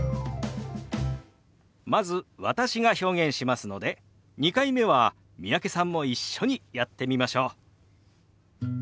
まず私が表現しますので２回目は三宅さんも一緒にやってみましょう。